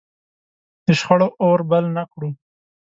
د شخړو اور بل نه کړو.